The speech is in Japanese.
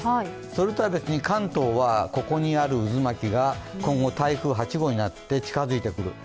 それとは別に、関東はここにある渦巻きが今後、台風８号になって近づいてくる。